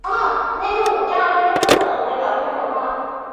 这些骨化肌腱被认为提供四肢以外的额外支撑脊椎。